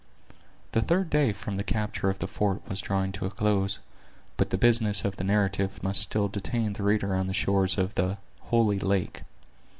The third day from the capture of the fort was drawing to a close, but the business of the narrative must still detain the reader on the shores of the "holy lake."